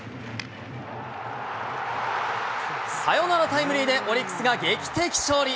サヨナラタイムリーでオリックスが劇的勝利。